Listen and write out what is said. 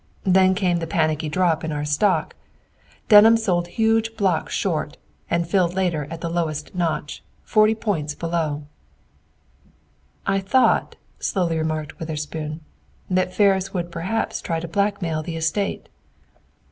Then came the panicky drop in our stock. Dunham sold huge blocks short and filled later at the lowest notch, forty points below!" "I thought," slowly remarked Witherspoon, "that Ferris would perhaps try to blackmail the estate!"